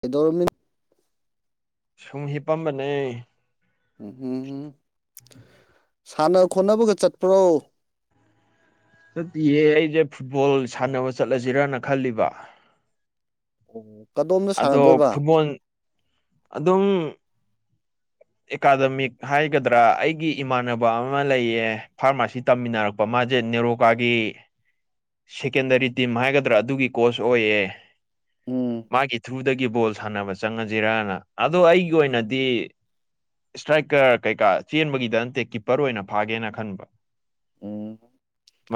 ꯀꯩꯗꯣꯔꯝꯃꯤꯅꯣ ꯁꯨꯝ ꯍꯤꯞꯄꯝꯕꯅꯦ ꯎꯝ ꯎꯝ ꯁꯥꯟꯅ ꯈꯣꯠꯅꯕꯒ ꯆꯠꯄ꯭ꯔꯣ ꯆꯠꯇꯌꯦ ꯑꯩꯁꯦ ꯐꯨꯠꯕꯣꯜ ꯁꯥꯟꯅꯕ ꯆꯠꯂꯁꯤꯔꯅ ꯈꯜꯂꯤꯕ ꯑꯣ ꯀꯗꯣꯝꯗ ꯑꯗꯣ ꯁꯥꯟꯅꯗꯣꯏꯕ ꯐꯨꯠꯕꯣꯜ ꯑꯗꯨꯝ ꯑꯦꯀꯥꯗꯃꯤꯛ ꯍꯥꯏꯒꯗ꯭ꯔꯥ ꯑꯩꯒꯤ ꯏꯃꯥꯟꯅꯕ ꯑꯃ ꯂꯩꯌꯦ ꯐꯥꯔꯃꯥꯁꯤ꯫ ꯇꯝꯃꯤꯟꯅꯔꯛꯄ ꯃꯥꯁꯦ ꯅꯦꯔꯣꯀꯥꯒꯤ [inaudible] ꯁꯦꯀꯦꯟꯗꯔꯤ ꯇꯤꯝ ꯍꯥꯏꯒꯗ꯭ꯔꯥ ꯑꯗꯨꯒꯤ ꯀꯣꯆ ꯑꯣꯏꯌꯦ꯫ ꯎꯝ ꯃꯥꯒꯤ ꯊ꯭ꯔꯨꯗꯒꯤ ꯕꯣꯜ ꯁꯥꯟꯅꯕ ꯆꯪꯉꯁꯤꯔꯅ ꯑꯗꯣ ꯑꯩꯒꯤ ꯑꯣꯏꯅꯗꯤ꯫ ꯏꯁꯇ꯭ꯔꯥꯏꯀꯔ ꯀꯩꯀꯥ ꯆꯦꯟꯕꯒꯤꯗ ꯅꯠꯇꯦ ꯀꯤꯞꯄꯔ ꯑꯣꯏꯅ ꯐꯥꯒꯦꯅ ꯈꯟꯕ ꯎꯝ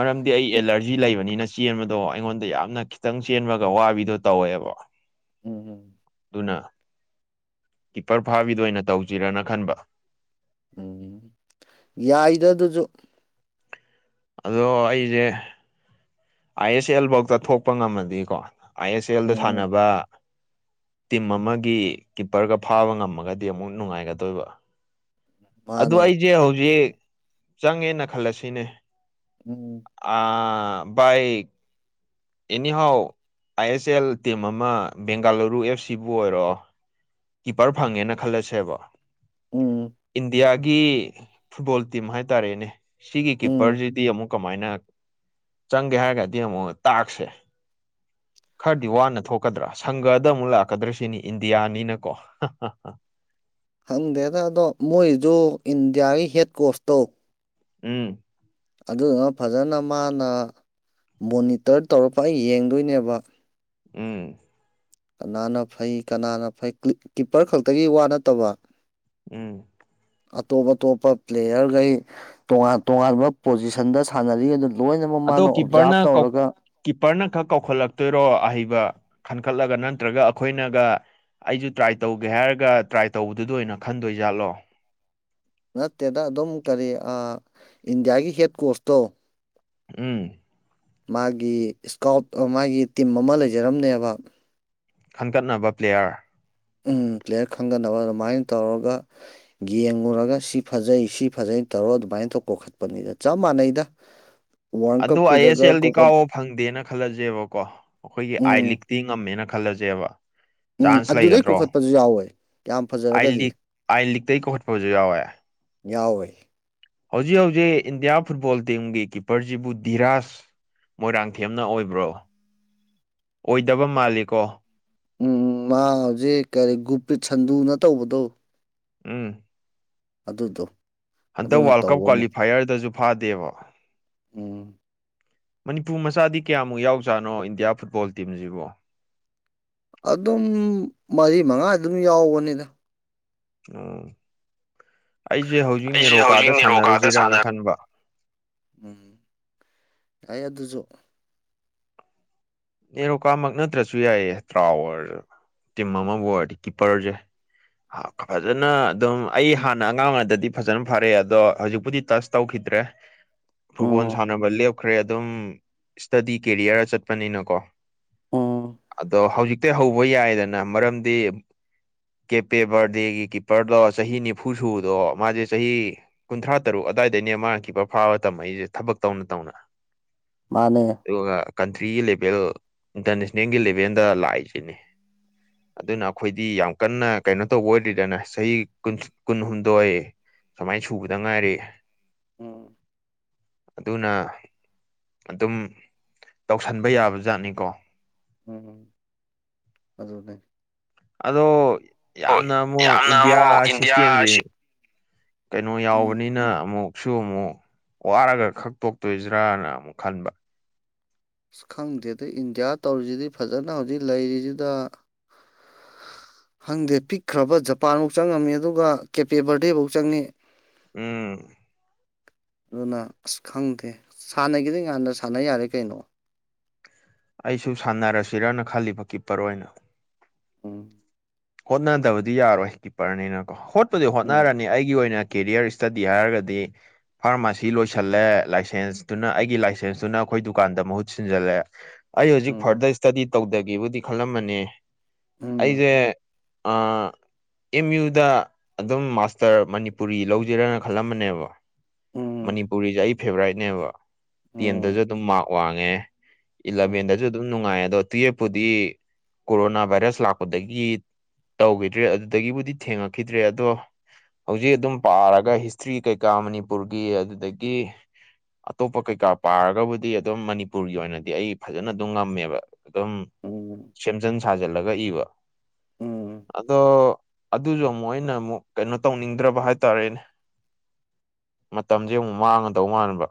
ꯃꯔꯝꯗꯤ ꯑꯩ ꯑꯦꯂꯔꯖꯤ ꯂꯩꯕꯅꯤꯅ ꯆꯦꯟꯕꯗꯣ ꯑꯩꯉꯣꯟꯗ ꯌꯥꯝꯅ ꯈꯤꯇꯪ ꯆꯦꯟꯕꯒ ꯋꯥꯕꯤꯗꯣ ꯇꯧꯋꯦꯕ꯫ ꯎꯝ ꯑꯗꯨꯅ ꯀꯤꯞꯄꯔ ꯐꯥꯕꯤꯗ ꯑꯣꯏꯅ ꯇꯧꯁꯤꯔꯅ ꯈꯟꯕ ꯎꯝ ꯌꯥꯏꯗ ꯑꯗꯨꯁꯨ ꯑꯗꯣ ꯑꯩꯁꯦ ꯑꯥꯏ ꯑꯦꯁ ꯑꯦꯜ ꯐꯧꯗ ꯊꯣꯛꯄ ꯉꯝꯃꯗꯤꯀꯣ ꯑꯥꯏ ꯑꯦꯁ ꯑꯦꯜꯗ ꯎꯝ ꯁꯥꯟꯅꯕ ꯇꯤꯝ ꯑꯃꯒꯤ ꯀꯤꯞꯄꯔꯒ ꯐꯥꯕ ꯉꯝꯃꯒꯗꯤ ꯑꯃꯨꯛ ꯅꯨꯡꯉꯥꯏꯒꯗꯣꯏꯕ ꯑꯗꯨ ꯃꯥꯅꯦ ꯑꯩꯁꯦ ꯍꯧꯖꯤꯛ ꯆꯪꯉꯦꯅ ꯈꯜꯂꯁꯤꯅꯦ꯫ ꯎꯝ ꯑꯥ ꯕꯥꯏ anyhow I S L team ꯑꯃ ꯕꯦꯡꯒꯥꯂꯨꯔꯨ ꯑꯦꯐ ꯁꯤꯕꯨ ꯑꯣꯏꯔꯣ ꯀꯤꯄꯔ ꯐꯪꯉꯦꯅ ꯈꯜꯂꯁꯦꯕ ꯎꯝ ꯏꯟꯗꯤꯌꯥꯒꯤ ꯐꯨꯠꯕꯣꯜ ꯇꯤꯝ ꯍꯥꯏꯇꯥꯔꯦꯅꯦ꯫ ꯁꯤꯒꯤ ꯎꯝ ꯀꯤꯞꯄꯔꯁꯤꯗꯤ ꯑꯃꯨꯛ ꯀꯃꯥꯏꯅ ꯆꯪꯒꯦ ꯍꯥꯏꯔꯒꯗꯤ ꯑꯃꯨꯛ ꯇꯥꯛꯁꯦ꯫ ꯈꯔꯗꯤ ꯋꯥꯅ ꯊꯣꯛꯀꯗ꯭ꯔꯥ ꯁꯪꯒꯗ ꯑꯃꯨꯛ ꯂꯥꯛꯀꯗ꯭ꯔꯥ ꯁꯤꯅꯤ ꯏꯟꯗꯤꯌꯥꯅꯤꯅꯀꯣ [unintelligible] ꯍꯪꯗꯦꯗ ꯑꯗꯣ ꯃꯣꯏꯖ ꯏꯟꯗꯤꯌꯥꯒꯤ ꯍꯦꯠ ꯀꯣꯔꯁꯇꯧ ꯎꯝ ꯑꯗꯨꯗꯨꯅ ꯐꯖꯅ ꯃꯥꯅ ꯃꯣꯅꯤꯇꯔ ꯇꯧꯔꯛꯄ ꯑꯩ ꯌꯦꯡꯗꯣꯏꯅꯦꯕ ꯎꯝ ꯀꯅꯥꯅ ꯐꯩ ꯀꯅꯥꯅ ꯐꯩ ꯀꯤꯞꯄꯔ ꯈꯛꯇꯒꯤ ꯋꯥ ꯅꯠꯇꯕ ꯎꯝ ꯑꯇꯣꯞ ꯑꯇꯣꯞꯄ ꯄ꯭ꯂꯦꯌꯥꯔꯈꯩ꯫ ꯇꯣꯉꯥꯟ ꯇꯣꯉꯥꯟꯕ ꯄꯣꯖꯤꯁꯟꯗ ꯁꯥꯟꯅꯔꯤꯕꯗꯨ ꯂꯣꯏꯅꯃꯛ ꯑꯗꯣ ꯃꯥꯅ ꯑꯣꯞꯓꯥꯞ ꯀꯤꯞꯄꯔꯅ ꯇꯧꯔꯒ ꯀꯤꯞꯄꯔꯅ ꯈꯛ ꯀꯧꯈꯠꯂꯛꯇꯣꯏꯔꯣ ꯑꯍꯩꯕ ꯈꯟꯈꯠꯂꯒ ꯅꯠꯇ꯭ꯔꯒ ꯑꯩꯈꯣꯏꯅꯒ ꯑꯩꯁꯨ ꯇ꯭ꯔꯥꯏ ꯇꯧꯒꯦ ꯍꯥꯏꯔꯒ ꯇ꯭ꯔꯥꯏ ꯇꯧꯕꯗꯨꯗ ꯑꯣꯏꯅ ꯈꯟꯗꯣꯏꯖꯥꯠꯂꯣ ꯅꯠꯇꯦꯗ ꯑꯗꯨꯝ ꯀꯔꯤ ꯑ ꯏꯟꯗꯤꯌꯥꯒꯤ ꯍꯦꯠ ꯀꯣꯆꯇꯣ ꯎꯝ ꯃꯥꯒꯤ ꯏꯁꯀꯥꯎꯠ ꯃꯥꯒꯤ ꯇꯤꯝ ꯑꯃ ꯂꯩꯖꯔꯝꯅꯦꯕ ꯈꯟꯒꯠꯅꯕ ꯄ꯭ꯂꯦꯌꯥꯔ ꯑꯝ ꯄ꯭ꯂꯦꯌꯔ ꯈꯟꯒꯠꯅꯕ ꯑꯗꯨꯃꯥꯏꯅ ꯇꯧꯔꯒ ꯌꯦꯡꯉꯨꯔꯒ ꯁꯤ ꯐꯖꯩ ꯁꯤ ꯐꯖꯩꯅ ꯇꯧꯔ ꯑꯗꯨꯃꯥꯏꯅ ꯀꯧꯈꯠꯄꯅꯤꯗ ꯆꯞ ꯃꯥꯟꯅꯩꯗ [inaudible] ꯑꯗꯣ ꯑꯥꯏ ꯑꯦꯁ ꯀꯞꯀꯤꯗꯒ ꯑꯦꯜꯗꯤ ꯀꯧꯈꯠ ꯀꯥꯎꯕ ꯐꯪꯗꯦꯅ ꯈꯜꯂꯖꯦꯕꯀꯣ ꯑꯩꯈꯣꯏꯒꯤ ꯑꯥꯏ ꯎꯝ ꯂꯤꯛ ꯄꯤ ꯉꯝꯃꯦꯅ ꯈꯜꯂꯖꯦꯕ ꯎꯝ ꯆꯥꯟꯁ ꯑꯗꯨꯗꯩ ꯂꯩꯒꯗ꯭ꯔꯣ ꯀꯧꯈꯠꯄꯁꯨ ꯌꯥꯎꯋꯦ ꯌꯥꯝ ꯑꯥꯏ ꯐꯖꯔꯒꯗꯤ ꯂꯤꯛ ꯑꯥꯏ ꯂꯤꯛꯇꯩ ꯀꯧꯈꯠꯄꯁꯨ ꯌꯥꯎꯋꯦ꯫ ꯌꯥꯎꯋꯦ꯫ ꯍꯧꯖꯤꯛ ꯍꯧꯖꯤꯛ ꯏꯟꯗꯤꯌꯥ ꯐꯨꯠꯕꯣꯜ ꯇꯤꯝꯒꯤ ꯀꯤꯞꯄꯔꯁꯤꯕꯨ ꯙꯤꯔꯥꯥꯁ ꯃꯣꯏꯔꯥꯡꯊꯦꯝꯅ ꯑꯣꯏꯕ꯭ꯔꯣ ꯑꯣꯏꯗꯕ ꯃꯥꯜꯂꯤꯀꯣ ꯎꯝ ꯃꯥ ꯍꯧꯖꯤꯛ ꯀꯔꯤ ꯒꯨꯄ꯭ꯔꯤꯠ ꯁꯟꯗꯨꯅ ꯇꯧꯕꯗꯣ ꯎꯝ ꯑꯗꯨꯗꯣ ꯍꯟꯇꯛ ꯑꯗꯨꯅ ꯋꯥꯔꯜ ꯀꯞ ꯇꯧꯕ ꯑꯃ ꯀ꯭ꯋꯥꯂꯤꯐꯥꯏꯌꯔꯗꯁꯨ ꯐꯥꯗꯦꯕ ꯎꯝ ꯃꯅꯤꯄꯨꯔ ꯃꯆꯥꯗꯤ ꯀꯌꯥꯃꯨꯛ ꯌꯥꯎꯖꯥꯠꯅꯣ ꯏꯟꯗꯤꯌꯥ ꯐꯨꯠꯕꯣꯜ ꯇꯤꯝꯖꯤꯕꯨ ꯑꯗꯨꯝ ꯃꯔꯤ ꯃꯉꯥ ꯑꯗꯨꯝ ꯌꯥꯎꯕꯅꯤꯗ ꯑꫭ ꯑꯩꯁꯦ ꯍꯧꯖꯤꯛ ꯑꯩꯁꯦ ꯍꯧꯖꯤꯛ ꯅꯦꯔꯣꯀꯥꯗ ꯅꯤꯔꯣꯀꯥꯗ ꯁꯥꯟꯅ ꯁꯥꯟꯅꯔꯨꯁꯤꯔꯅ ꯈꯟꯕ ꯎꯝ ꯌꯥꯏ ꯑꯗꯨꯁꯨ ꯅꯦꯔꯣꯀꯥꯃꯛ ꯅꯠꯇ꯭ꯔꯁꯨ ꯌꯥꯏꯌꯦ ꯇ꯭ꯔꯥꯎ ꯑꯣꯏꯔꯖꯨ ꯇꯤꯝ ꯑꯃꯕꯨ ꯑꯣꯏꯔꯗꯤ ꯀꯤꯞꯄꯔꯖꯦ [unintelligible] ꯐꯖꯅ ꯑꯗꯨꯝ ꯑꯩ ꯍꯥꯟꯅ ꯑꯉꯥꯡ ꯑꯣꯏꯔꯤꯉꯩꯗꯗꯤ ꯐꯖꯅ ꯐꯔꯛꯑꯦ ꯑꯗꯣ ꯍꯧꯖꯤꯛꯄꯨꯗꯤ ꯇꯁ ꯇꯧꯈꯤꯗ꯭ꯔꯦ [inaudible] ꯐꯨꯠꯕꯣꯜ ꯎꯝ ꯁꯥꯟꯅꯕ ꯂꯦꯞꯈ꯭ꯔꯦ ꯑꯗꯨꯝ ꯏꯁꯇꯗꯤ ꯀꯦꯔꯤꯌꯔ ꯆꯠꯄꯅꯤꯅꯀꯣ ꯎꯝ ꯑꯗꯣ ꯍꯧꯖꯤꯛꯇꯩ ꯍꯧꯕ ꯌꯥꯏꯗꯅ ꯃꯔꯝꯗꯤ ꯀꯦꯞ__ ꯄꯦꯕꯔꯗꯦꯒꯤ ꯀꯤꯞꯄꯔꯗꯣ ꯆꯍꯤ ꯅꯤꯐꯨ ꯁꯨꯕꯗꯣ ꯃꯥꯁꯦ ꯆꯍꯤ [unintelligible] ꯀꯨꯟꯊ꯭ꯔꯥ ꯇꯔꯨꯛ ꯑꯋꯥꯏꯗꯩꯅꯦ ꯃꯥꯅ ꯀꯤꯞꯄꯔ ꯐꯥꯕ ꯇꯝꯃꯛꯏꯁꯦ ꯊꯕꯛ ꯇꯧꯅ ꯇꯧꯅ ꯃꯥꯅꯦ ꯑꯗꯨꯒ ꯀꯟꯇ꯭ꯔꯤꯒꯤ ꯂꯦꯚꯦꯜ ꯏꯟꯇꯔꯅꯦꯁꯅꯦꯜꯒꯤ ꯂꯦꯚꯦꯜꯗ ꯂꯥꯛꯏꯁꯤꯅꯤ [inaudible] ꯑꯗꯨꯅ ꯑꯩꯈꯣꯏꯗꯤ ꯌꯥꯝ ꯀꯟꯅ ꯀꯩꯅꯣ ꯇꯧꯕ ꯑꯣꯏꯗ꯭ꯔꯤꯗꯅ ꯆꯍꯤ ꯀꯨꯟ ꯀꯨꯟꯍꯨꯝꯗꯣꯏ ꯁꯨꯃꯥꯏꯟ ꯁꯨꯕꯗ ꯉꯥꯏꯔꯤ ꯎꯝ ꯑꯗꯨꯅ ꯑꯗꯨꯝ ꯇꯧꯁꯟ__ ꯕ ꯌꯥꯕ ꯖꯥꯠꯅꯤꯀꯣ ꯎꯝ ꯑꯗꯨꯅꯦ ꯑꯗꯣ ꯍꯣꯏ ꯌꯥꯝꯅ ꯑꯃꯨꯛ ꯌꯥꯝꯅ ꯏꯟꯗꯤꯌꯥ ꯑꯃꯨꯛ ꯁꯤꯁꯇꯦꯝꯖꯦ ꯏꯟꯗꯤꯌꯥꯁꯤ ꯀꯩꯅꯣ ꯎꯝ ꯌꯥꯎꯕꯅꯤꯅ ꯑꯃꯨꯛ ꯁꯨ ꯑꯃꯨꯛ ꯋꯥꯔꯒ ꯈꯛ ꯇꯣꯛꯇꯣꯏꯖꯤꯔꯥꯅ ꯑꯃꯨꯛ ꯈꯟꯕ ꯑꯁ ꯈꯪꯗꯦꯗ ꯏꯟꯗꯤꯌꯥ ꯇꯧꯔꯤꯁꯤꯗꯤ ꯐꯖꯅ ꯍꯧꯖꯤꯛ ꯂꯩꯔꯤꯁꯤꯗ ꯈꯪꯗꯦ ꯄꯤꯛꯈ꯭ꯔꯕ ꯖꯄꯥꯟꯐꯧ ꯆꯪ ꯉꯝꯃꯤ ꯑꯗꯨꯒ ꯀꯦꯄꯦ ꯕꯔꯗꯦꯐꯧ ꯆꯪꯉꯤ ꯎꯝ ꯑꯗꯨꯅ ꯑꯁ ꯈꯪꯗꯦ ꯁꯥꯟꯅꯒꯦꯗꯤ ꯅꯍꯥꯟꯅ ꯁꯥꯟꯅ ꯌꯥꯔꯦ ꯀꯩꯅꯣ ꯑꯩꯁꯨ ꯁꯥꯟꯅꯔꯁꯤꯔꯥꯅ ꯈꯜꯂꯤꯕ ꯀꯤꯞꯄꯔ ꯑꯣꯏꯅ ꯎꯝ ꯍꯣꯠꯅꯗꯕꯗꯤ ꯌꯥꯔꯣꯏ ꯀꯤꯞꯄꯔꯅꯤꯅꯀꯣ ꯍꯣꯠꯄꯨꯗꯤ ꯎꯝ ꯍꯣꯠꯅꯔꯅꯤ ꯑꯩꯒꯤ ꯑꯣꯏꯅ ꯀꯦꯔꯤꯌꯔ ꯏꯁꯇꯗꯤ ꯍꯥꯏꯔꯒꯗꯤ ꯐꯥꯔꯃꯥꯁꯤ ꯂꯣꯏꯁꯤꯜꯂꯦ ꯂꯥꯏꯁꯦꯟꯁꯇꯨꯅ ꯑꯩꯒꯤ ꯂꯥꯏꯁꯦꯟꯁꯇꯨꯅ ꯑꯩꯈꯣꯏ ꯗꯨꯀꯥꯟꯗ ꯃꯍꯨꯠ ꯁꯤꯟꯖꯜꯂꯦ ꯑꯩ ꯍꯧꯖꯤꯛ ꯎꯝ ꯐꯥꯔꯗꯔ ꯏꯁꯇꯗꯤ ꯇꯧꯗꯒꯦꯕꯨꯗꯤ ꯈꯜꯂꯝꯕꯅꯦ ꯎꯝ ꯑꯩꯁꯦ ꯑꯥ ꯑꯦꯝ ꯌꯨꯗ ꯑꯗꯨꯝ ꯃꯥꯁꯇꯔ ꯃꯅꯤꯄꯨꯔꯤ ꯂꯧꯖꯤꯔꯥꯅ ꯈꯜꯂꯝꯕꯅꯦꯕ ꯎꯝ ꯃꯅꯤꯄꯨꯔꯤꯁꯦ ꯑꯩ ꯐꯦꯚꯣꯔꯥꯏꯠꯅꯦꯕ ꯇꯦꯟꯗꯁꯨ ꯎꯝ ꯑꯗꯨꯝ ꯃꯥꯔꯛ ꯋꯥꯡꯉꯦ ꯎꯝ ꯏꯂꯚꯦꯟꯗꯁꯨ ꯑꯗꯨꯝ ꯅꯨꯡꯉꯥꯏ ꯑꯗꯣ ꯇꯨꯌꯦꯞꯄꯨꯗꯤ ꯀꯣꯔꯣꯅꯥ ꯚꯥꯏꯔꯁ ꯂꯥꯛꯄꯗꯒꯤ ꯇꯧꯈꯤꯗ꯭ꯔꯦ ꯑꯗꯨꯗꯒꯤꯕꯨꯗꯤ ꯊꯦꯡꯉꯛꯈꯤꯗ꯭ꯔꯦ ꯑꯗꯣ ꯍꯧꯖꯤꯛ ꯑꯗꯨꯝ ꯄꯥꯔꯒ ꯍꯤꯁꯇ꯭ꯔꯤ ꯀꯩꯀꯥ ꯃꯅꯤꯄꯨꯔꯒꯤ ꯑꯗꯨꯗꯒꯤ ꯑꯇꯣꯞꯄ ꯀꯩꯀꯥ ꯄꯥꯔꯒꯕꯨꯗꯤ ꯑꯗꯨꯝ ꯃꯅꯤꯄꯨꯔꯒꯤ ꯑꯣꯏꯅꯗꯤ ꯑꯩ ꯐꯖꯅ ꯑꯗꯨꯝ ꯉꯝꯃꯦꯕ ꯑꯗꯨꯝ ꯎꯝ ꯁꯦꯝꯖꯤꯟ ꯁꯥꯖꯤꯜꯂꯒ ꯏꯕ ꯎꯝ ꯑꯗꯣ ꯑꯗꯨꯁꯨ ꯑꯃꯨꯛ ꯑꯩꯅ ꯑꯃꯨꯛ ꯀꯩꯅꯣ ꯇꯧꯅꯤꯡꯗ꯭ꯔꯕ ꯍꯥꯏꯇꯥꯔꯦꯅꯦ ꯃꯇꯝꯁꯦ ꯑꯃꯨꯛ ꯃꯥꯡꯉꯗꯧ ꯃꯥꯟꯕ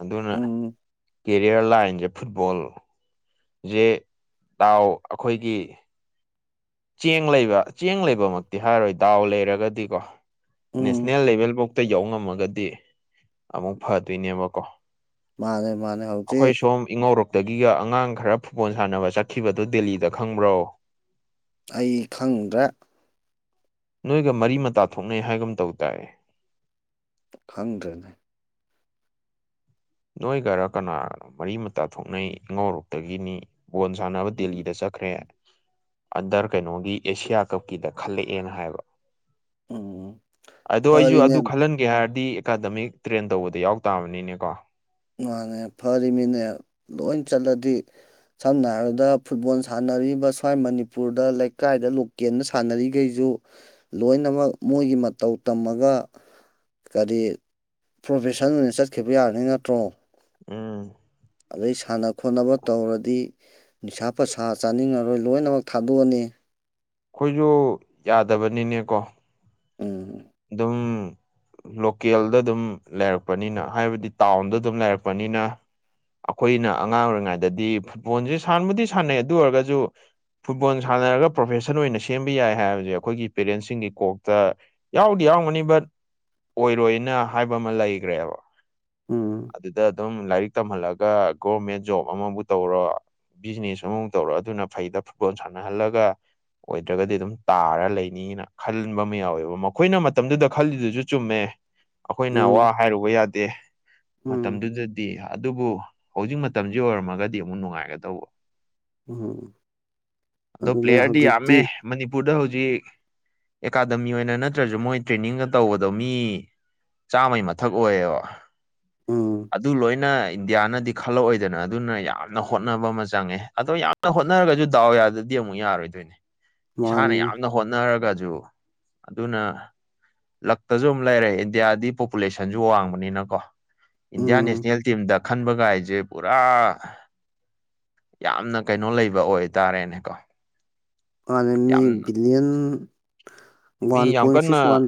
ꯑꯗꯨꯅ ꯀꯦ ꯎꯝ ꯀꯦꯔꯤꯌꯔ ꯂꯥꯏꯟꯁꯦ ꯐꯨꯠꯕꯣꯜꯁꯦ ꯏꯇꯥꯎ ꯑꯈꯣꯏꯒꯤ ꯆꯦꯡ ꯂꯩꯕ ꯆꯦꯡ ꯂꯩꯕꯃꯛꯇꯤ ꯍꯥꯏꯔꯔꯣꯏ ꯗꯥꯎ ꯂꯩꯔꯒꯗꯤꯀꯣ ꯎꯝ ꯅꯦꯁꯅꯦꯜ ꯂꯦꯚꯦꯜꯕꯣꯛ ꯇ ꯌꯧ ꯉꯝꯃꯒꯗꯤ ꯑꯃꯨꯛ ꯐꯗꯣꯏꯅꯦꯕꯀꯣ ꯃꯥꯅꯦ ꯃꯥꯅꯦ ꯑꯩꯈꯣꯏ ꯍꯧꯖꯤꯛ ꯁꯣꯝ ꯏꯉꯧꯔꯣꯛꯇꯒꯤꯒ ꯑꯉꯥꯡ ꯈꯔ ꯐꯨꯠꯕꯣꯜ ꯁꯥꯟꯅꯕ ꯆꯠꯈꯤꯕꯗꯨ ꯗꯦꯜꯂꯤꯗ ꯈꯪꯕ꯭ꯔꯣ ꯑꯩ ꯈꯪꯗ꯭ꯔꯦ ꯅꯣꯏꯒ ꯃꯔꯤ ꯃꯇꯥ ꯊꯣꯛꯅꯩ ꯍꯥꯏꯒꯨꯝ ꯇꯧꯗꯥꯏ ꯈꯪꯗ꯭ꯔꯦ ꯅꯣꯏꯒꯔ ꯀꯅꯥꯒꯅꯣ ꯃꯔꯤ ꯃꯇꯥ ꯊꯣꯛꯅꯩ ꯏꯉꯧꯔꯣꯛꯇꯒꯤꯅꯤ ꯕꯣꯜ ꯁꯥꯟꯅꯕ ꯎꯝ ꯗꯦꯜꯂꯤꯗ ꯆꯠꯈ꯭ꯔꯦ ꯑꯟꯗꯔ ꯀꯩꯅꯣꯒꯤ ꯑꯦꯁꯤꯌꯥ ꯀꯞꯀꯤꯗ ꯈꯜꯂꯛꯑꯦꯅ ꯍꯥꯏꯕ ꯎꯝ ꯑꯗꯣ ꯑꯩꯁꯨ ꯐꯔꯤꯅꯦ ꯑꯗꯨ ꯈꯜꯍꯟꯒꯦ ꯍꯥꯏꯔꯗꯤ ꯑꯦꯀꯥꯗꯃꯤꯛ ꯇ꯭ꯔꯦꯟ ꯇꯧꯕꯗ ꯌꯥꯎ ꯇꯥꯕꯅꯤꯅꯦꯀꯣ ꯃꯥꯅꯦ ꯐꯔꯤꯃꯤꯅꯦ ꯂꯣꯏ ꯆꯠꯂꯗꯤ ꯁꯝꯅ ꯍꯥꯏꯔꯕꯗ ꯐꯨꯠꯕꯣꯜ ꯁꯥꯟꯅꯔꯤꯕ ꯁ꯭ꯋꯥꯏ ꯃꯅꯤꯄꯨꯔꯗ ꯂꯩꯀꯥꯏꯗ ꯂꯨꯞ ꯀꯦꯝꯅ ꯁꯥꯟꯅꯔꯤꯈꯩꯁꯨ ꯂꯣꯏꯅꯃꯛ ꯃꯣꯏꯒꯤ ꯃꯇꯧ ꯇꯝꯃꯒ ꯀꯔꯤ ꯄ꯭ꯔꯣꯐꯦꯁꯟ ꯑꯣꯏꯅ ꯆꯠꯈꯤꯕ ꯌꯥꯅꯤ ꯅꯠꯇ꯭ꯔꯣ ꯎꯝ ꯑꯗꯩ ꯁꯥꯟꯅ ꯈꯣꯠꯅꯕ ꯇꯧꯔꯗꯤ ꯅꯤꯁꯥ ꯄꯨꯁꯥ ꯆꯥꯅꯤꯡꯉꯔꯣꯏ ꯂꯣꯏꯅꯃꯛ ꯊꯥꯗꯣꯛꯑꯅꯤ ꯑꯩꯈꯣꯏꯁꯨ ꯌꯥꯗꯕꯅꯤꯅꯦꯀꯣ ꯎꯝ ꯑꯗꯨꯝ ꯂꯣꯀꯦꯜꯗ ꯑꯗꯨꯝ ꯂꯩꯔꯛꯄꯅꯤꯅ ꯍꯥꯏꯕꯗꯤ ꯇꯥꯎꯟꯗ ꯑꯗꯨꯝ ꯂꯩꯔꯛꯄꯅꯤꯅ ꯑꯩꯈꯣꯏꯅ ꯑꯉꯥꯡ ꯑꯣꯏꯔꯤꯉꯩꯗꯗꯤ ꯐꯨꯠꯕꯣꯜꯁꯤ ꯁꯥꯟꯕꯨꯗꯤ ꯁꯥꯟꯅꯩ ꯑꯗꯨ ꯑꯣꯏꯔꯒꯁꯨ ꯐꯨꯠꯕꯣꯜ ꯁꯥꯟꯅꯔꯒ ꯄ꯭ꯔꯣꯐꯦꯁꯟ ꯑꯣꯏꯅ ꯁꯦꯝꯕ ꯌꯥꯏ ꯍꯥꯏꯕꯁꯦ ꯑꯩꯈꯣꯏꯒꯤ ꯄꯦꯔꯦꯟꯁꯁꯤꯡꯒꯤ ꯀꯣꯛꯇ ꯌꯥꯎꯗꯤ ꯌꯥꯎꯔꯝꯒꯅꯤ ꯕꯠ ꯑꯣꯏꯔꯣꯏꯅ ꯍꯥꯏꯕ ꯑꯃ ꯂꯩꯒ꯭ꯔꯦꯕ ꯎꯝ ꯑꯗꯨꯗ ꯑꯗꯨꯝ ꯂꯥꯏꯔꯤꯛ ꯇꯝꯍꯜꯂꯒ ꯒꯣꯚ꯭ꯔꯃꯦꯟ ꯖꯣꯕ ꯑꯃꯕꯨ ꯇꯧꯔꯣ ꯕꯤꯖꯤꯅꯦꯁ ꯑꯃꯕꯨ ꯇꯧꯔ ꯑꯗꯨꯅ ꯐꯩꯗ ꯐꯨꯠꯕꯣꯜ ꯁꯥꯟꯅꯍꯜꯂꯒ ꯑꯣꯏꯗ꯭ꯔꯒꯗꯤ ꯑꯗꯨꯝ ꯇꯥꯔ ꯂꯩꯅꯤꯅ ꯈꯟꯕ ꯑꯃ ꯌꯥꯎꯋꯦꯕ ꯑꯈꯣꯏꯅ ꯃꯇꯝꯗꯨꯗ ꯈꯜꯂꯤꯗꯨꯁꯨ ꯆꯨꯝꯃꯦ ꯑꯈꯣꯏꯅ ꯋꯥ ꯎꯝ ꯍꯥꯏꯔꯨꯕ ꯌꯥꯗꯦ ꯎꯝ ꯃꯇꯝꯗꯨꯗꯗꯤ ꯑꯗꯨꯕꯨ ꯍꯧꯖꯤꯛ ꯃꯇꯝꯁꯤ ꯑꯣꯏꯔꯝꯃꯒꯗꯤ ꯑꯃꯨꯛ ꯅꯨꯡꯉꯥꯏꯒꯗꯧꯕ ꯎꯝ ꯑꯗꯣ ꯑꯗꯨꯅꯦ ꯄ꯭ꯂꯦꯌꯔꯗꯤ ꯍꯧꯖꯤꯛꯇꯤ ꯌꯥꯝꯃꯦ ꯃꯅꯤꯄꯨꯔꯗ ꯍꯧꯖꯤꯛ ꯑꯦꯀꯥꯗꯃꯤ ꯑꯣꯏꯅ ꯅꯠ ꯅꯠꯇ꯭ꯔꯁꯨ ꯃꯣꯏ ꯇ꯭ꯔꯦꯅꯤꯡꯒ ꯇꯧꯕꯗꯨ ꯃꯤ ꯆꯥꯝꯃꯩ ꯃꯊꯛ ꯑꯣꯏꯌꯦꯕ ꯎꯝ ꯑꯗꯨ ꯂꯣꯏꯅ ꯏꯟꯗꯤꯌꯥꯅꯗꯤ ꯈꯜꯂꯛꯑꯣꯏꯗꯅ ꯑꯗꯨꯅ ꯌꯥꯝꯅ ꯍꯣꯠꯅꯕ ꯑꯃ ꯆꯪꯉꯦ ꯑꯗꯣ ꯌꯥꯝꯅ ꯍꯣꯠꯅꯔꯒꯁꯨ ꯗꯥꯎ ꯌꯥꯗꯗꯤ ꯑꯃꯨꯛ ꯌꯥꯔꯣꯏꯗꯣꯏꯅꯦ ꯏꯁꯥꯅ ꯃꯥꯅꯤꯅꯦ ꯌꯥꯝꯅ ꯍꯣꯠꯅꯔꯒꯁꯨ ꯑꯗꯨꯅ ꯂꯛꯇꯁꯨ ꯑꯃꯝ ꯂꯩꯔꯦ ꯏꯟꯗꯤꯌꯥꯗꯤ ꯄꯣꯄꯨꯂꯦꯁꯟꯁꯨ ꯋꯥꯡꯕꯅꯤꯅꯀꯣ ꯏꯟꯗꯤꯌꯥꯟ ꯎꯝ ꯅꯦꯁꯅꯦꯜ ꯇꯤꯝꯗ ꯈꯟꯕꯒ ꯍꯥꯏꯁꯦ ꯄꯨꯔꯥ ꯌꯥꯝꯅ ꯀꯩꯅꯣ ꯂꯩꯕ ꯑꯣꯏꯇꯥꯔꯦꯅꯦꯀꯣ ꯑꯅꯦ ꯃꯤ ꯌꯥꯝ ꯕꯤꯂꯤꯌꯟ ꯋꯥꯟ ꯃꯤ ꯌꯥꯝ ꯄꯣꯏꯟ ꯁꯤꯛꯁ ꯀꯟꯅ ꯋꯥꯟ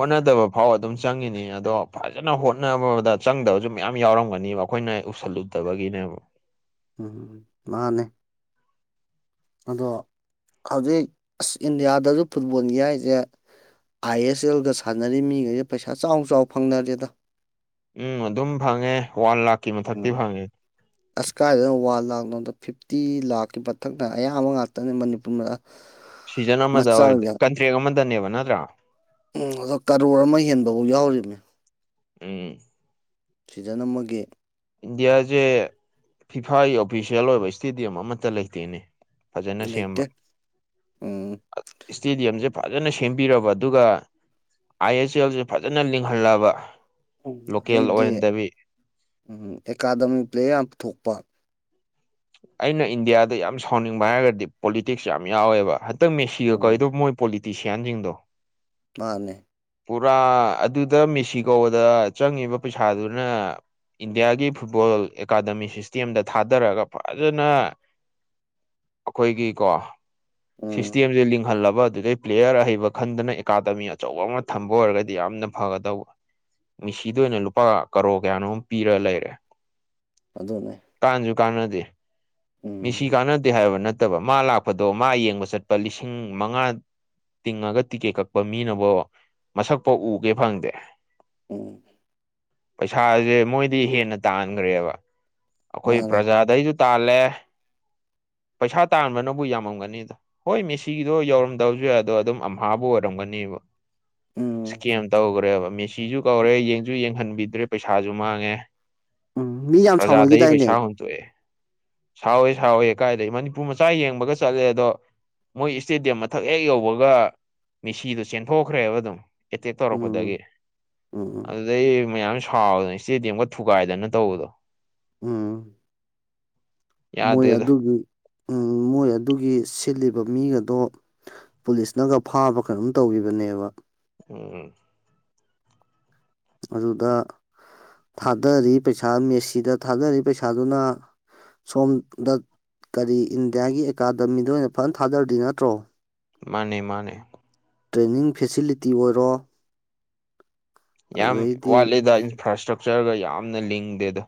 ꯍꯣꯠꯅꯗꯕ ꯐꯥꯎ ꯑꯗꯨꯝ ꯆꯪꯉꯤꯅꯤ ꯑꯗꯣ ꯐꯖꯅ ꯍꯣꯠꯅꯕꯗ ꯆꯪꯗꯕꯁꯨ ꯃꯌꯥꯝ ꯌꯥꯎꯔꯝꯒꯅꯦꯕ ꯑꯩꯈꯣꯏꯅ ꯎꯁꯜꯂꯨꯗꯕꯒꯤꯅꯦꯕ ꯎꯝ ꯃꯥꯅꯦ ꯑꯗꯣ ꯍꯧꯖꯤꯛ ꯑꯁ ꯏꯟꯗꯤꯌꯥꯗꯁꯨ ꯐꯨꯠꯕꯣꯜꯒꯤ ꯍꯥꯏꯁꯦ ꯑꯥꯏ ꯑꯦꯁ ꯑꯦꯜꯒ ꯁꯥꯟꯅꯔꯤ ꯃꯤꯉꯩꯁꯦ ꯄꯩꯁꯥ ꯆꯥꯎ ꯆꯥꯎ ꯐꯪꯅꯔꯦꯗ ꯎꯝ ꯑꯗꯨꯝ ꯐꯪꯉꯦ ꯋꯥꯟ ꯂꯥꯈ ꯎꯝ ꯑꯁꯀꯥꯏꯗꯅ ꯋꯥꯟ ꯂꯥꯛ ꯅꯗ ꯐꯤꯞꯇꯤ ꯂꯥꯛꯀꯤ ꯃꯊꯛꯇ ꯑꯌꯥꯝꯕ ꯉꯥꯛꯇꯅꯦ ꯃꯅꯤꯄꯨꯔ ꯁꯤꯖꯟ ꯑꯃꯗ ꯃꯆꯥꯒꯤ ꯀꯟꯇ꯭ꯔꯦꯛ ꯑꯃꯗꯅꯦꯕ ꯅꯠꯇ꯭ꯔꯥ ꯎꯝ ꯑꯗꯣ ꯀꯔꯣꯔ ꯑꯃ ꯍꯦꯟꯕꯐꯥꯎ ꯌꯥꯎꯔꯤꯕꯅꯤ ꯎꯝ ꯁꯤꯗꯅ ꯑꯃꯒꯤꯒꯤ ꯏꯟꯗꯤꯌꯥꯁꯦ ꯐꯤꯐꯥꯒꯤ ꯑꯣꯐꯤꯁꯦꯜ ꯑꯣꯏꯕ ꯏꯁꯇꯦꯗꯤꯌꯝ ꯑꯃꯠꯇ ꯂꯩꯇꯦꯅꯦ ꯐꯖꯅ ꯁꯦꯝꯕ ꯂꯩꯇꯦ ꯎꯝ ꯏꯁꯇꯦꯗꯤꯌꯝꯁꯦ ꯐꯖꯅ ꯁꯦꯝꯕꯤꯔꯕ ꯑꯗꯨꯒ ꯑꯥꯏ ꯑꯦꯁ ꯑꯦꯜꯁꯦ ꯐꯖꯅ ꯂꯤꯡꯍꯜꯂꯕ ꯎꯝ ꯂꯣꯀꯦꯜ ꯑꯗꯩꯗꯤ ꯑꯣꯏꯍꯟꯗꯕꯤ ꯎꯝ ꯑꯦꯀꯥꯗꯃꯤ ꯄ꯭ꯂꯦ ꯌꯥꯝ ꯄꯨꯊꯣꯛꯄ ꯑꯩꯅ ꯏꯟꯗꯤꯌꯥꯗ ꯌꯥꯝ ꯁꯥꯎꯅꯤꯡꯕ ꯍꯥꯏꯔꯒꯗꯤ ꯄꯣꯂꯤꯇꯤꯛꯁ ꯌꯥꯝ ꯌꯥꯎꯋꯦꯕ ꯍꯟꯇꯛ ꯃꯦꯁꯤꯒ ꯀꯧꯏꯗꯣ ꯎꯝ ꯃꯣꯏ ꯄꯣꯂꯤꯇꯤꯁꯤꯌꯥꯟꯁꯤꯡꯗꯣ ꯃꯥꯅꯦ ꯄꯨꯔꯥ ꯑꯗꯨꯗ ꯃꯦꯁꯤꯒꯧꯗ ꯆꯪꯉꯤꯕ ꯄꯩꯁꯥꯗꯨꯅ ꯏꯟꯗꯤꯌꯥꯒꯤ ꯐꯨꯠꯕꯣꯜ ꯑꯦꯀꯥꯗꯃꯤ ꯁꯤꯁꯇꯦꯝꯗ ꯊꯥꯗꯔꯒ ꯐꯖꯅ ꯑꯩꯈꯣꯏꯒꯤ ꯀꯣ ꯎꯝ ꯁꯤꯁꯇꯦꯝꯁꯦ ꯂꯤꯡꯍꯜꯂꯕ ꯑꯗꯨꯗꯩ ꯄ꯭ꯂꯦꯌꯔ ꯑꯍꯩꯕ ꯈꯟꯗꯅ ꯑꯦꯀꯥꯗꯃꯤ ꯑꯆꯧꯕ ꯑꯃ ꯊꯝꯕ ꯑꯣꯏꯔꯒꯗꯤ ꯌꯥꯝꯅ ꯐꯒꯗꯧꯕ ꯃꯤꯁꯤꯗ ꯑꯣꯏꯅ ꯂꯨꯄꯥ ꯀꯔꯣ ꯀꯌꯥꯅꯣꯝ ꯄꯤꯔ ꯂꯩꯔꯦ ꯑꯗꯨꯅꯦ ꯀꯥꯟꯁꯨ ꯀꯥꯟꯅꯗꯦ ꯃꯤꯁꯤ ꯎꯝ ꯀꯥꯟꯅꯗꯦ ꯍꯥꯏꯕ ꯅꯠꯇꯕ ꯃꯥ ꯂꯥꯛꯄꯗꯣ ꯃꯥ ꯌꯦꯡꯕ ꯆꯠꯄ ꯂꯤꯁꯤꯡ ꯃꯉꯥ ꯇꯤꯡꯉꯒ ꯇꯤꯀꯦꯠ ꯀꯛꯄ ꯃꯤꯅꯕꯨꯣ ꯃꯁꯛꯐꯥꯎ ꯎꯒꯦ ꯐꯪꯗꯦ ꯎꯝ ꯄꯩꯁꯥꯁꯦ ꯃꯣꯏꯗꯤ ꯍꯦꯟꯅ ꯇꯥꯟꯈ꯭ꯔꯦꯕ ꯑꯩꯈꯣꯏ ꯃꯥꯅꯦ ꯄ꯭ꯔꯖꯥꯗꯩꯁꯨ ꯇꯂꯦ ꯄꯩꯁꯥ ꯇꯥꯟꯕꯅꯕꯨ ꯌꯥꯝꯃꯝꯒꯅꯤꯗ ꯍꯣꯏ ꯃꯦꯁꯤꯒꯤꯗꯣ ꯌꯧꯔꯝꯗꯕꯁꯨ ꯌꯥꯏ ꯑꯗꯣ ꯑꯗꯨꯝ ꯑꯝꯍꯥꯕꯨ ꯑꯣꯏꯔꯝꯒꯅꯦꯕ ꯎꯝ ꯀꯝ ꯇꯧꯈꯔꯦ ꯃ ꯆꯖ ꯀꯧꯔꯦ ꯌꯦꯡꯁꯨ ꯌꯦꯡꯍꯟꯕꯤꯗ꯭ꯔꯦ ꯄꯩꯁꯥꯁꯨ ꯃꯥꯡꯉꯦ ꯎꯝ ꯃꯤ ꯌꯥꯝ ꯄ꯭ꯔꯖꯥꯗꯒꯤ ꯁꯥꯎꯅꯈꯤꯗꯥꯏꯅꯦ ꯄꯩꯁꯥ ꯇꯏꯦ ꯁꯥꯎꯋꯦ ꯁꯥꯎꯋꯦ ꯀꯥꯏꯗꯒꯤ ꯃꯅꯤꯄꯨꯔ ꯃꯆꯥ ꯌꯦꯡꯕꯒ ꯆꯠꯂꯦ ꯑꯗꯣ ꯃꯣꯏ ꯏꯁꯇꯦꯗꯤꯌꯝ ꯃꯊꯛ ꯍꯦꯛ ꯌꯧꯕꯒ ꯃꯤꯦꯁꯤꯗꯨꯣ ꯆꯦꯟꯊꯣꯛꯈ꯭ꯔꯦꯕ ꯑꯗꯨꯝ ꯑꯦꯇꯦꯛ ꯇꯧꯔꯛꯄꯗꯒꯤ ꯎꯝ ꯎꯝ ꯑꯗꯩ ꯃꯌꯥꯝ ꯁꯥꯎꯗꯅ ꯏꯁꯇꯦꯗꯤꯌꯝꯒ ꯊꯨꯒꯥꯏꯗꯅ ꯇꯧꯕꯗꯣ ꯎꯝ ꯃꯣꯏ ꯌꯥꯗꯦꯗ ꯑꯗꯨꯒꯤ ꯃꯣꯏ ꯑꯗꯨꯒꯤ ꯁꯤꯜꯂꯤꯕ ꯃꯤ ꯑꯗꯣ ꯄꯨꯂꯤꯁꯅꯒ ꯐꯥꯕꯒ ꯑꯗꯨꯝ ꯇꯧꯈꯤꯕꯅꯦꯕ ꯎꯝ ꯑꯗꯨꯗ ꯊꯥꯗꯔꯤ ꯄꯩꯁꯥ ꯃꯦꯁꯤꯗ ꯊꯥꯗꯔꯤ ꯄꯩꯁꯥꯗꯨꯅ ꯁꯣꯝꯗ ꯀꯔꯤ ꯏꯟꯗꯤꯌꯥꯒꯤ ꯑꯦꯀꯥꯗꯃꯤꯗ ꯑꯣꯏꯅ ꯐꯖꯅ ꯊꯥꯗꯔꯗꯤ ꯅꯠꯇ꯭ꯔꯣ ꯃꯥꯅꯦ ꯃꯥꯅꯦ ꯇ꯭ꯔꯦꯅꯤꯡ ꯐꯦꯁꯤꯂꯤꯇꯤ ꯑꯣꯏꯔꯣ ꯌꯥꯝ ꯑꯗꯨꯗꯩꯗꯤ ꯋꯥꯠꯂꯤꯦꯗ ꯏꯟꯐ꯭ꯔꯥ ꯏꯁꯇ꯭ꯔꯛꯆꯔꯒ ꯌꯥꯝꯅ ꯂꯤꯡꯗꯦꯗ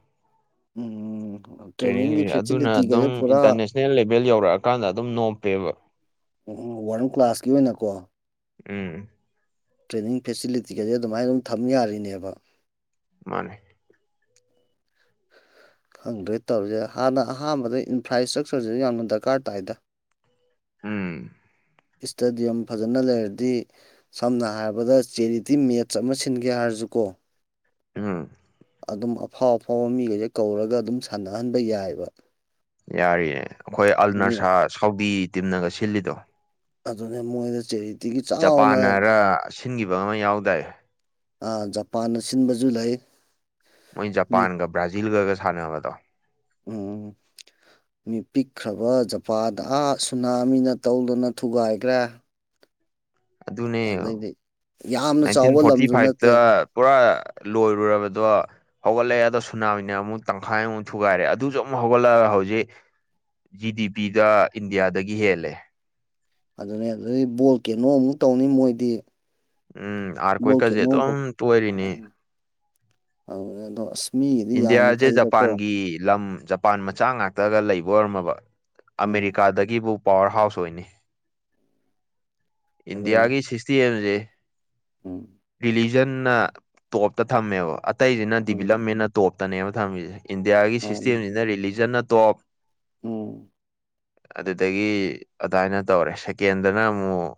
ꯎꯝ ꯇ꯭ꯔꯦꯅꯤꯡꯒꯤ ꯐꯦꯁꯤꯂꯤꯇꯤꯒꯁꯦ ꯄꯨꯔꯥ ꯅꯦꯁꯅꯦꯜ ꯂꯦꯚꯦꯜ ꯌꯧꯔꯛꯑꯀꯥꯟꯗ ꯑꯗꯨꯝ ꯅꯣꯞꯄꯦꯕ ꯎꯝ ꯋꯥꯔꯜ ꯀ꯭ꯂꯥꯁꯀꯤ ꯑꯣꯏꯅꯀꯣ ꯎꯝ ꯇ꯭ꯔꯦꯅꯤꯡ ꯐꯦꯁꯤꯂꯤꯇꯤꯒꯗꯤ ꯑꯗꯨꯃꯥꯏꯅ ꯑꯗꯨꯝ ꯊꯝ ꯌꯥꯔꯤꯅꯦꯕ ꯃꯥꯅꯦ ꯈꯪꯗ꯭ꯔꯣꯏ ꯇꯧꯔꯤꯁꯦ ꯍꯥꯟꯅ ꯑꯍꯥꯟꯕꯗ ꯏꯟꯐ꯭ꯔꯥꯏ꯭ꯇ꯭ꯔꯛꯆꯔꯁꯤꯁꯨ ꯌꯥꯝꯅ ꯗꯔꯀꯥꯔ ꯇꯥꯏꯗ ꯎꯝ ꯏꯁꯇꯦꯗꯤꯌꯝ ꯐꯖꯅ ꯂꯩꯔꯗꯤ ꯁꯝꯅ ꯍꯥꯏꯔꯕꯗ ꯆꯦꯔꯤꯇꯤ ꯃꯦꯠꯆ ꯑꯃ ꯁꯤꯟꯒꯦ ꯍꯥꯏꯔꯁꯨꯀꯣ ꯎꯝ ꯑꯗꯨꯝ ꯑꯐꯥꯎ ꯑꯐꯥꯎꯕ ꯃꯤꯈꯩꯁꯦ ꯀꯧꯔꯒ ꯑꯗꯨꯝ ꯁꯥꯟꯅꯍꯟꯕ ꯌꯥꯏꯑꯕ ꯌꯥꯔꯤꯌꯦ ꯑꯩꯈꯣꯏ ꯑꯜ ꯃꯤ ꯅꯔꯁꯥ ꯁꯥꯎꯗꯤ ꯇꯤꯝꯅꯒ ꯁꯤꯜꯂꯤꯗꯣ ꯑꯗꯨꯅꯦ ꯃꯣꯏꯗ ꯆꯩꯔꯤ ꯖꯄꯥꯟꯅꯔ ꯁꯤꯟꯈꯤꯕ ꯑꯃ ꯌꯥꯎꯗꯥꯏ ꯖꯄꯥꯟꯅ ꯁꯤꯟꯕꯁꯨ ꯂꯩ ꯃꯣꯏ ꯃꯤ ꯖꯄꯥꯟꯒ ꯕ꯭ꯔꯥꯖꯤꯜꯒꯒ ꯁꯥꯟꯅꯕꯗꯣ ꯎꯝ ꯃꯤ ꯄꯤꯛꯈ꯭ꯔꯕ ꯖꯄꯥꯥꯟꯗ ꯑꯥ ꯁꯨꯅꯥꯃꯤꯅ ꯇꯧꯗꯨꯅ ꯊꯨꯒꯥꯏꯈ꯭ꯔꯦ ꯑꯗꯨꯅꯦ ꯑꯗꯩꯗꯤ ꯌꯥꯝꯅ ꯅꯥꯏꯟꯇꯤꯟ ꯆꯥꯎꯕ ꯐꯣꯔꯇꯤ ꯂꯝꯁꯨ ꯅꯠꯇꯦ ꯐꯥꯏꯚꯇ ꯄꯨꯔꯥ ꯂꯣꯏꯔꯨꯔꯕꯗꯣ ꯍꯧꯒꯠꯂꯛꯑꯦ ꯑꯗꯣ ꯁꯨꯅꯥꯃꯤꯅ ꯑꯃꯨꯛ ꯇꯪꯈꯥꯏ ꯑꯃꯨꯛ ꯊꯨꯒꯥꯏꯔꯦ ꯑꯗꯨꯁꯨ ꯑꯃꯨꯛ ꯍꯧꯒꯠꯂꯛꯑꯒ ꯍꯧꯖꯤꯛ ꯖꯤ ꯗꯤ ꯄꯤꯗ ꯏꯟꯗꯤꯌꯥꯗꯒꯤ ꯍꯦꯜꯂꯦ ꯑꯗꯨꯅꯦ ꯑꯗꯨꯗꯤ ꯕꯣꯜ ꯀꯩꯅꯣꯃꯨꯛ ꯇꯧꯅꯤ ꯃꯣꯏꯗꯤ ꯎꯝ ꯑꯥꯔ ꯕꯣꯜ ꯀꯣꯏꯀꯁꯦ ꯀꯦꯅꯣ ꯑꯃꯨꯛ ꯑꯗꯨꯝ ꯇꯣꯏꯔꯤꯅꯤ ꯑꯗꯁ ꯏꯟꯗꯤꯌꯥꯁꯦ ꯖꯄꯥꯟꯒꯤ ꯂꯝ ꯃꯄꯥꯟ ꯃꯆꯥ ꯉꯥꯛꯇꯒ ꯂꯩꯕ ꯑꯣꯏꯔꯝꯃꯕ ꯎꯝ ꯑꯃꯦꯔꯤꯀꯥꯗꯒꯤꯕꯨ ꯄꯋꯥꯔ ꯍꯥꯎꯁ ꯑꯣꯏꯅꯤ ꯑꯗꯨꯅꯦ ꯏꯟꯗꯤꯌꯥꯒꯤ ꯍꯤꯁꯇ꯭ꯔꯤ ꯍꯥꯏꯁꯦ ꯎꯝ ꯁꯤꯖꯟꯅ ꯇꯣꯞꯇ ꯊꯝꯃꯦꯕ ꯑꯇꯩꯁꯤꯅ ꯎꯝ ꯗꯤꯚꯂꯞꯃꯦꯟꯅ ꯇꯣꯞꯇꯅꯦꯕ ꯊꯝꯃꯤꯁꯦ ꯏꯟꯗꯤꯌꯥꯒꯤ ꯃꯥꯅꯤ ꯁꯤꯁꯇꯦꯝꯁꯤꯅ ꯔꯤꯂꯤꯖꯟꯅ ꯑ ꯇꯣꯞ ꯎꯝ ꯑꯗꯨꯗꯒꯤ ꯑꯗꯨꯃꯥꯏꯅ ꯇꯧꯔꯦ ꯁꯦꯀꯦꯟꯗꯅ ꯑꯃꯨꯛ